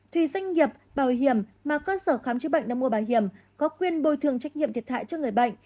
thì doanh nghiệp bảo hiểm mà cơ sở khám chữa bệnh đã mua bảo hiểm có quyền bồi thường trách nhiệm thiệt hại cho người bệnh